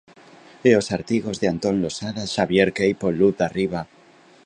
E os artigos de Antón Losada, Xavier Queipo, Luz Darriba.